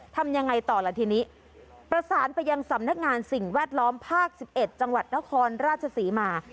ทำยังไงต่อล่ะทีนี้ประสานไปยังสำนักงานสิ่งแวดล้อมภาค๑๑จังหวัดนครราชศรีมา